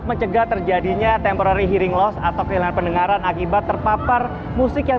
mencegah terjadinya temporary hearing loss atau kehilangan pendengaran akibat terpapar musik yang